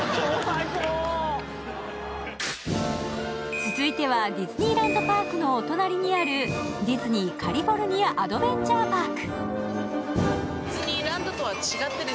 続いてはディズニーランド・パークのお隣にあるディズニー・カリフォルニア・アドベンチャー・パーク。